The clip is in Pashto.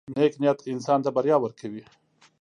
• نیک نیت انسان ته بریا ورکوي.